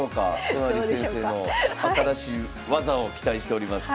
都成先生の新しい技を期待しております。